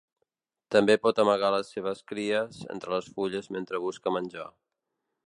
També pot amagar les seves cries entre les fulles mentre busca menjar.